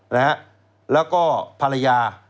แล้วก็ภรรยา